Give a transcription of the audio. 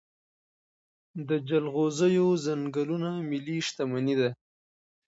د جلغوزیو ځنګلونه ملي شتمني ده.